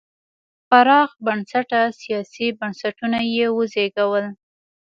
پراخ بنسټه سیاسي بنسټونه یې وزېږول.